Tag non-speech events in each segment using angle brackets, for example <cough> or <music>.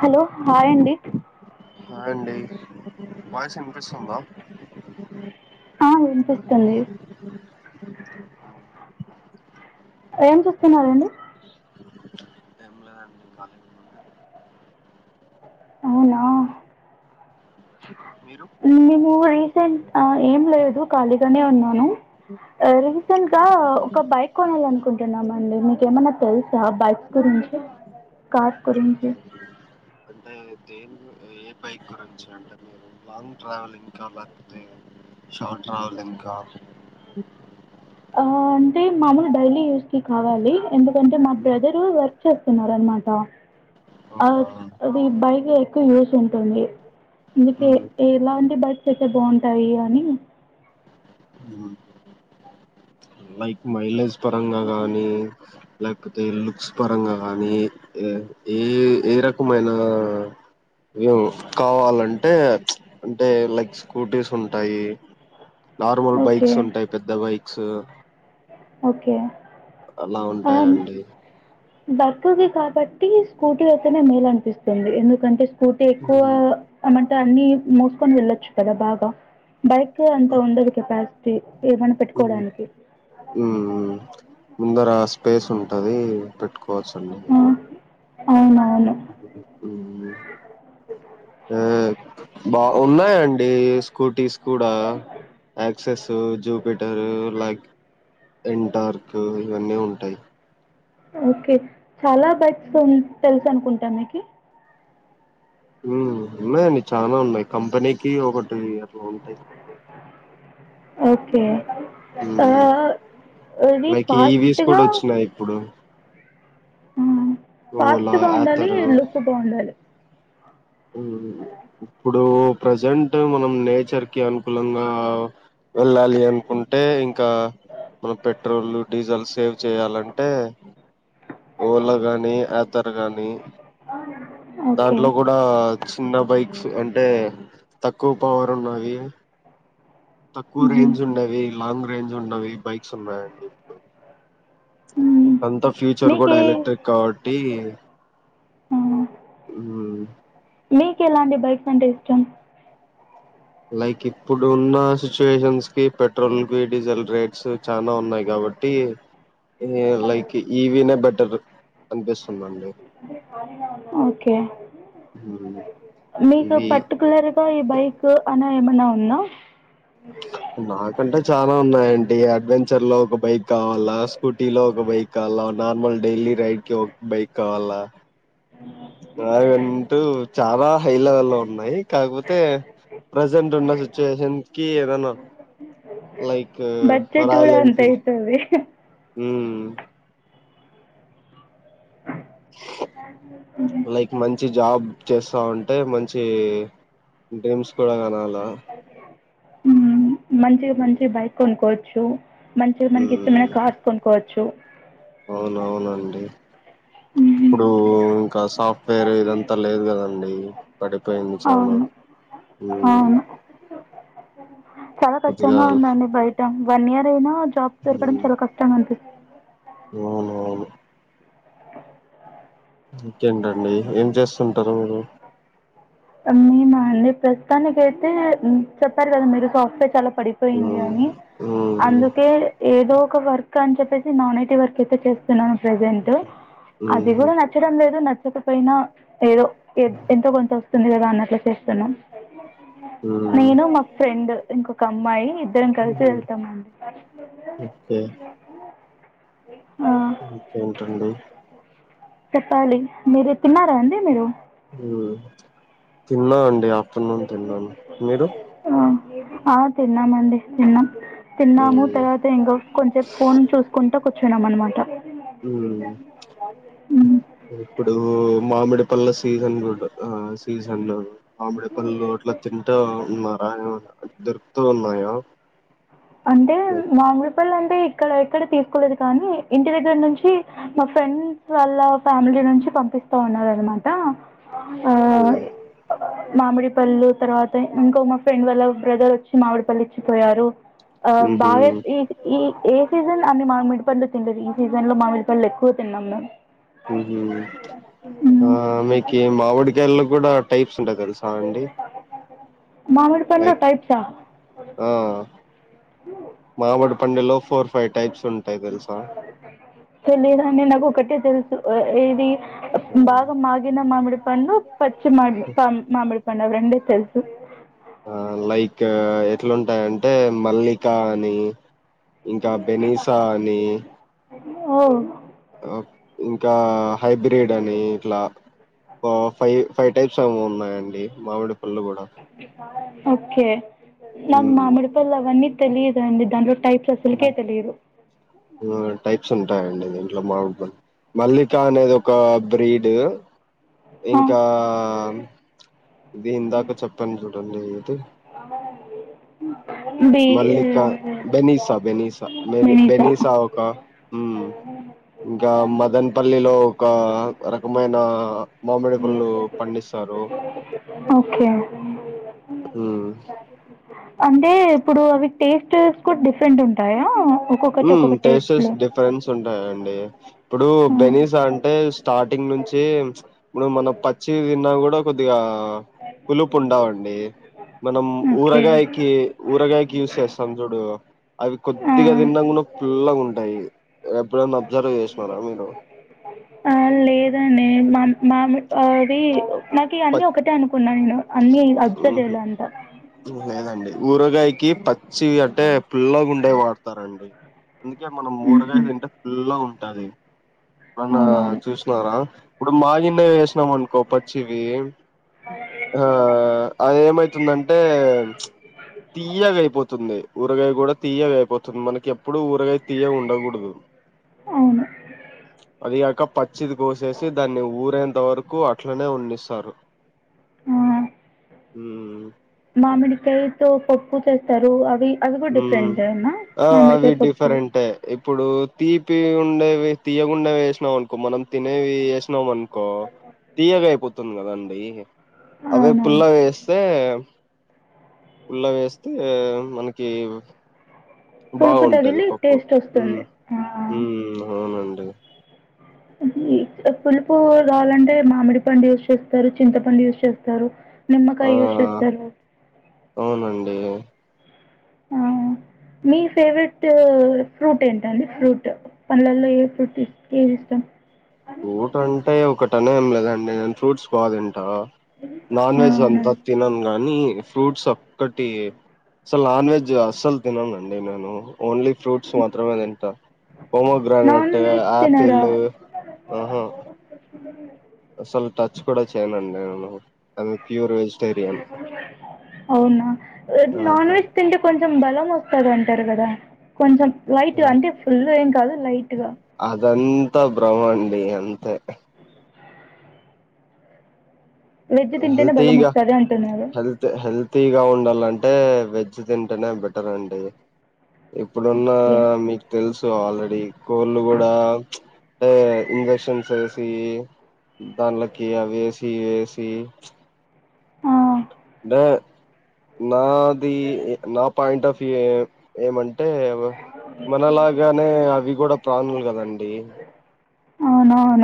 Hello hi అండి hi అండి voice ఇనిపిస్తుందా ఆ, వినిపిస్తుంది ఏం చూస్తున్నారండి. ఏం లేదండి కాలేజ్ ముందే అవునా మీరు మేము రీసెంట్ ఏం లేదు ఖాళీగానే ఉన్నాను రీసెంట్గా ఒక బైక్ కొనాలి అనుకుంటున్నామ అండి మీకు ఏమైన్నా తెలుసా బైక్స్ గురించి కార్స్ గురించి అంటే దేని ఏ బైక్ గురించి అంటే మీరు లాంగ్ ట్రావెలింగ్కా లేకపోతే షార్ట్ ట్రావెలింగ్కా ఆ అంటే మామూలు డైలీ యూస్ కి కావాలి ఎందుకంటే మా బ్రదరు వర్క్ చేస్తున్నారు అనమాట ఆ అవునా అది బైక్ ఎక్కువ యూస్ ఉంటుంది అందుకే మ్మ్ ఎలాంటి బైక్స్ అయితే బాగుంటాయి అని బైక్ మైలేజ్ పరంగా గానీ లేకపోతే లుక్స్ పరంగా కానీ ఏ ఏ ఏ రకమైన ఏం కావాలంటే అంటే లైక్ స్కూటీస్ ఉంటాయి నార్మల్ ఓకే బైక్స్ ఉంటాయి పెద్ద బైక్ క్స్ ఓకే అలా ఉంటాయంండి బర్క్ది కాబట్టి స్కూటీ అయితేనే మేలు అనిపిస్తుంది ఎందుకంటే స్కూటీ ఎక్కువ అమంట అన్ని మోసుకొని వెళ్లొచ్చు కదా బాగా బైక్ అంత ఉండదు కెపాసిటీ ఏమనా పెట్టుకోడానికి ఉమ్. ముందర స్పేస్ ఉంటది పెట్టుకు కోవచ్చు అండి అవునా ఆ బా ఉన్నాయండి స్కూటీస్ కూడా యాక్సెస్ జూపిటరు లైక్ ఎంటార్క్ ఇవన్నీ ఉంటాయి ఓకే చాలా బైక్స్ తె తెలుసు అనుకుంటా మీకి ఉమ్ ఉన్నాయండి చానా ఉన్నాయి కంపెనీ కి ఒకటి అట్ల ఉంటాయి. ఓకే ఆ ఉమ్. అది లైక్ ఈవీస్ ఫాస్ట్ గా కూడా వచ్చినాయి ఇప్పుడు ఉమ్ ఫాస్ట్ ఓలా గా ఉండాలి ఆథర్ లుక్ బాగుండాలి. ఉమ్ ఇప్పుడు ప్రజెంట్ మనం నేచర్కి అనుకూలంగా వెళ్ళాలి అనుకుంటే ఇంకా మనం పెట్రోల్ డీజల్ సేవ్ చేయాలంటే ఓలా కానీ యాథర్ కానీ ఓకే దాంట్లో కూడా చిన్న బైక్స్ అంటే తక్కువ పవర్ ఉన్నవి తక్కువ రేంజ్ ఉండేవి లాంగ్ రేంజ్ ఉన్నవి బైక్స్ ఉన్నాయండి ఇప్పుడు అంతా ఫ్యూచర్ కూడా మీకు ఎలక్ట్రిక్ కాబట్టి ఉమ్ మీకు ఎలాంటి బైక్స్ అంటే ఇష్టం. లైక్ ఇప్పుడు ఉన్న సిచ్యుయేషన్స్ కి పెట్రోల్ కి డీజిల్ రేట్స్ చాలా ఉన్నాయి కాబట్టి లైక్ ఈవినే బెటర్ అనిపిస్తుందండి. ఓకే మీకు ఇవి పర్టికులర్గా ఈ బైక్ అని ఏమన్నా ఉన్నా నాకంటే చాలా ఉన్నాయండి అడ్వెంచర్ లో ఒక బైక్ కావాల స్కూటీ లో ఒక బైక్ కావాలా నార్మల్ డైలీ రైడ్ కి ఒక బైక్ కావాలా నావంటు చాలా హై లెవెల్ లో ఉన్నాయి కాకపోతే ప్రజెంట్ ఉన్న సిచ్యుయేషన్ కి ఏదన్నా లైక్ బడ్జెట్ కూడా రాయల్ అంత ఎన్ఫీల్డ్ అయితది ఉ లైక్ మంచి జాబ్ చేస్తా ఉంటే మంచి మంచి డ్రీమ్స్ కూడా కానాలి మంచిగా మంచి బైక్ కొనుక్కోచ్చు చు మంచిగా మనకి మ్మ్ ఇష్టమైన కాార్స్ కొనుకోవచ్చు అవునవునండి హ్మ్. ఇప్పుడు కా సాఫట్ వేరు ఇదంతా లేదు కదండి పడిపోయింది చాలా అవును ఉమ్ అవును చాలా కొద్దిగా కష్టంగా ఉందండి బయట వన్ ఇయర్ అయినా జాబ్ దొరకడం చాలా కష్టం అని పీస్ అవును అవును ఇంకేంటండి ఏం చేస్తుంటారు మీరు మేము అండి ప్రస్తుతానిక అయితే చెప్పారు కదా మీరు సాఫ్ట్వేర్ చాలా పడిపోయింది మ్మ్ అని మ్మ్ అందుకే ఏదో ఒక వర్క్ అని చెప్పేసి నాన్ ఐటీ వర్క్ అయితే చేస్తున్నాను ప్రజెంట్ అది కూడా నచ్చడం లేదు నా చక పోయిన ఏదో ఎంతో కొంత వస్తుంది స్తుంది కదా అన్నట్లా చేస్తున్నాం మ్మ్ నేను మా ఫ్రెండ్ ఇంకొక అమ్మాయి ఇద్దరం కలిసి మ్మ్ వెళ్తామండి ఓకే మీ ఇంకేంటండి చెప్పాలి మీరు తిన్నారా అండి మీరు తిన్న అండి ఆఫ్టర్నూన్ తిన్నాను మీరు హా ఆ తిన్నామండి తిన్నాం తిన్నాము మ్మ్ తర్వాత ఇంకా కొంచెం ఫోన్ చూసుకుంటా కూర్చున్నాం అనమాట ఉమ్ హ్మ్. ఇప్పుడు మామిడి పల్ల సీజన్ కూడా ఆ సీజన్ లో ఆమిడే పళ్ళు అట్లా తింటూ ఉన్నారా దధర్త ఉన్నాయ అంటే మామిలిపల్ అంట ఇక్కడ ఎక్కడ తీసుకోలేదు కానీ ఇంటి దగ్గర నుంచి మా ఫ్రెండ్స్ వాళ్ళ ఫ్యామిలీ నుంచి పంపిస్తా ఉన్నారు అనమాట ఓకే మామిడిపల్ళు తర్వాత ఇంకో మా ఫ్రెండ్ వాళ్ళ బ్రదర్ వచ్చి మామిడిపల్లి ఇచ్చిపోయారు ఆ ఉహు బాగా్య ఈ ఈ ఏ సీజన్ అన్ని మామిడిపండ్లు తిండదు ఈ సీజన్ లో మామిడిపండ్లు ఎక్కువ తిన్నాము మేము మ్మ్ హు ఆ హ్మ్. మీకి మామిడికాయల్లో కూడా టైప్స్ ఉంటాయి కదా సాండి మామిడి పండు టైప్సా ఆ మామిడి పండులో ఫోర్ ఫైవ్ టైప్స్ ఉంటయి తెలుసా తెలీదండి నాకు ఒకటే తెలుసు ఆ ఏది బాగ మాగిన మామిడి పన్ను పచ్చిమడి పామ్ మామిడి పండగ రెండు తెలుసు ఆ లైక్ ట్లుంటాయంటే మల్లిక అనీ ఇంకా బెనిసా అనీ ఓ ఓక్ ఇంకా హైబ్రిడ్ అని ఇట్లా ఓ ఫైవ్ ఫై టైప్స్ ఏమో ఉన్నాయండి మామిడి పళ్ళు కూడా <unintelligible> ఓకే నాక్ మామిడి పళ్ళవన్ని తెలియదండి దాంట్లో టైప్స్ అసలుకే తెలియదు ఆ టైప్స్ ఉంటాయండి దీంట్లో మావుంటై మల్లిక అనేది ఒక బ్రీడ్ ఆ, ఇంకా ఇది ఇందాక చెప్పాను చూ రండి ఏంటి బి మల్లికా బెనిసా బెనిసా మేబి బెనీసా బెనిసా ఒక మ్మ్ ఇంకా మదన్పల్లిలో ఒక రకమైన మామిడి పళ్ళు పండిస్తారు ఓకే హ్ము అంటే ఇప్పుడు అవి టేస్టేస్ కూడా డిఫ్రెంట్ ఉంటాయా ఒక్కొక్కటి హ్మ్ ఒక్కొక్క టేస్ట్స్ టేస్ట్లో డిఫరెన్స్ ఉంటాయండి ఇప్పుడు బెనీస్ అంటే స్టార్టింగ్ నుంచి, ఇప్పుడు మన పచ్చివ్ తిన్నా కూడా కొద్దిగా పులుపు ఉండవండి, మనం ఓకే ఊరగాయకి ఊరగాయకి యూజ్ చేస్తాం చూడు అవి కొద్దిగా తిన్నామ్గునం ఫుల్లగా ఉంటాయి ఎప్పుడైనా అబ్జర్వ్ చేన్నారా మీరు ఆ లేదండి మా మామి ఆ అది నాకివన్నీ పచ్ ఒకటే అనుకున్నా నేను అన్ని అబ్జర్వ్ హుహు. చేయలే అంత లేదండి. ఊరగాయకి పచ్చి అంటే పుల్ల గుండేవి వాడతారండి అందుకే మనం ఊరగాయ హుహు. తింటే ఫుల్లగా ట్టాది వంగయా అవునవును చూస్న్నారా ఇప్పుడు మాగిండేవి వేస్ పొవ్ అనుకో పచ్చివి ఆ అది ఏమైతుందంటే తీయగ అయిపోతుంది ఊరగాయ కూడా తీయగా అయిపోతుంది మనకి ఎప్పుడు ఊ ఊర్గాయి తియ్యగా ఉండూడదు అవును అదిగాక పచ్ పచ్చిది కోసేసి దాన్ని ఊరేంత వరకు కు అట్లనే ఉన్నిస్తారు ఆ ఉ మామిడికాయతో పప్పు చేస్తారు అవి అవి కూడా హ్మ్ డిఫరెంటేనా అవి మామిడికాయ పప్పు డిఫరెంటే ఇప్పుడు తీపి ఉండేవి తీయగున్నావేస్న్నా అనుకో మనం తినేవి వేస్నాం అనుకో తీయగా అయిపోతుంది. కదా అం అయి అవే అవునవును పుల్లగా వేస్తే పుల్లవేస్తే మనకు కేమ్ పులుపు బాగుంటది తగిలి పప్పు టేస్ట్ ఉమ్ వస్తుంది ఆ! ఉమ్ అవునండి <inaudible> పులుపు రావాలంటే మామిడి పండు యూజ్ చేస్తారు చింతపండు యూజ్ చేస్తారు ఆ నిమ్మకాయ యూస్ చేస్తారు అవునండి ఆ మీ ఫేవరెట్ ఫ్రూట్ ఏంటండి ఫ్రూట్ పండ్లల్లో ఏ ఫ్రూట్ ఏది ఇష్టాం ఫ్రూట్ అంటే ఒకటనేం లేదండి అన్ ఫ్రూట్స్ కాదంట నాన్ వెజ్ అవునా! అంతా తినను గానీ ఫ్రూట్స్ ఒక్కటి అసలు నాన్ వెజ్ త్ అసలు తిననండి నేను ఓన్లీ ఫ్రూట్స్ మాత్రమే తింట ఫ్రోమో నాన్ గ్రనెట్ వెజ్ ఆపిల్ తినరా? ఆహా <inaudible> అసలు టచ్ కూడా చేయనండి నేను అం అవునా నాన్ ఆహా వెజ్ తింటే కొం చెం బలం వస్తది అంటారు కదా కొంచెం వైట్ అంటే ఫుల్ ఇంక్ చాలా లైట్ అదన్ అంతా బ్రమండి అంతే వెజ్ తింటేనే బలం వస్తాది అంటున్నారు తీగా ఉండాలంటే వెజ్ తింటేనే బెటర్ అండి ఇప్పుడున్నా ఓకే. మీకు తెలుస్ సో ఆల్రెడీ కోళ్ళు కూడా ఇంజక్షన్స్ వేసి దానిలోకి అవేసి ఇవేసి సీ ఆ టే న్ నాది నా పాయింట్ ఆఫ్ టే ఏమం అంటే మనలాగానే అవి కూడా ప్రాణులు కదండి అవునా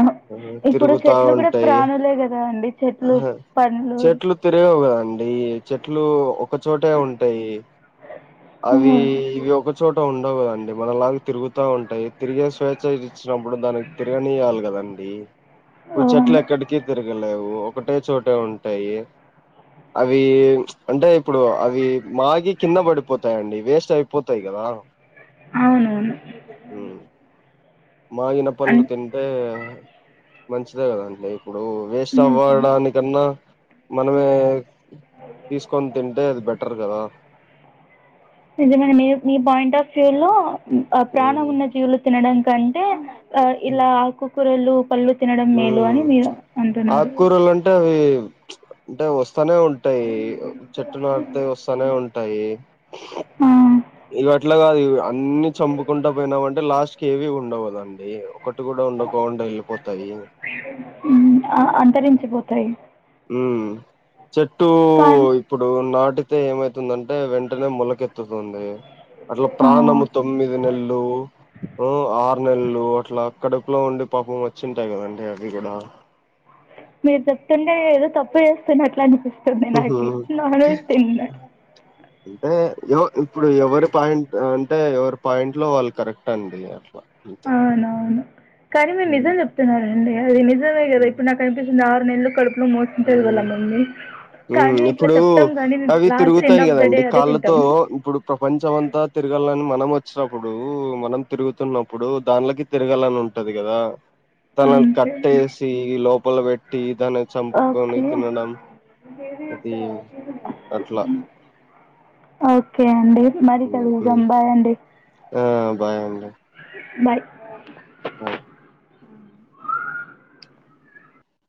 తిరుగుతా ఉంటాయి గదా అండి. చెట్లు, పండ్లు. చెట్లు తిరిగవు కదండి చెట్లు ఒకచోటే ఉంటాయి అవి హ్మ్. ఇవి ఒకచోట ఉ గాండి మన లాగా తిరుగుతా ఉంటాయి తిరిగే స్వేచ్ఛ చ్చినప్పుడు దానికి తిరగనియాలి కదండి ఈ చెట్లు అవును. ఎక్కడికి తిరగలేవు ఒకటే చోటే ఉంటాయి అవి అంటే ఇప్పుడు అవి మాగి కింద పడిపోతాయిండి వేస్ట్ అయిపోతాయి కదా అవునవును ఉమ్. మాగిన పళ్ళు అన్ తింటే మంచిదే కదండి ఇప్పుడు వేస్ట్ నిజమే. అవ్వడానికన్నా మనమే తీసుకొని తింటే అది బెటర్ కదా నిజమైన మీ మీ పాయింట్ ఆఫ్ వ్యూ లో ఉమ్ ప్రాణం ఉన్న జీవులు తినడానికి కంటే ఆ ఇలా ఆకు రెండు కళ్ళు ఉ ఆకుకూరలు అంటే అవి అంటే వస్తే వస్తనే ఉంటాయి చెట్టు నాడితే వస్తనే ఉంటాయి ఆ, ఇవి అట్లా కాదు ఇ అన్ని చంపుకుంటా పోయినామంటే లాస్ట్ క ఏవి ఉండవదండి ఒకటి కూడా ఉండకోకుండా వెళ్ళిపోతాయి ఉమ్ అంతరించిపోతాయి ఉమ్ చెట్టు కానీ ఇప్పుడు నాటి అతే ఏమైతుందంటే వెంటనే మెలకెత్తుతుంది అట్లా ఆ, ప్రాణము తొమ్మిది నెల్లు ఉమ్ ఆ నెల్లు అట్లా కడుపులో ఉండి పాపం వచ్చింటాయి కదండి అవి కూడా మీరు చెప్తుండే ఏదో తప్పు చేస్తనే అట్లా అనిపిస్తుంది వద్దు నాకి నానేవేజ్ తిన్ను అంటే ఇప్పుడు ఎవరి పా అంటే ఎవరి పాయింట్ లో వాళ్ళు కరెక్ట్ అండి అట్లా అంతే అవునవును కానీ మీరు హ్మ్ నిజం చెప్తున్నారండి అది నిజమే కదా ఇప్పు నా కనిపిస్తుంది నన్ను ఎందుకు కడుగు ఉమ్ కానీ ఇట్లా ఇప్పుడు చెప్తాం కానీ అవి లాస్ట్ ఎండ్ తిరుగుతాయి ఆఫ్ ద డే కదండి అదే కాళ్ళతో తింటాం ఇప్పుడు ప్రపంచం అంతా తిరగలని మనం వచ్చి వచ్చినప్పుడు మనం తిరుగుతున్నప్పుడు దాన్లకి తిరగలని ఉంటది కదా తనను అంతే కట్టేసి లో పుల్ల పెట్టి దాన్ని చంపు ఓకే అట్లా ఓకే అండి మరి హ్మ్ సెలవు హ్మ్ జంబాయండి ఆ బాయ్ అండి బాయ్ అవు